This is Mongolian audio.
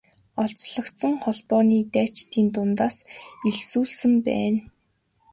Олзлогдсон холбооны дайчдын дундаас элсүүлсэн байна.